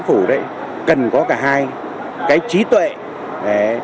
người đánh phủ đấy cần có cả hai cái trí tuệ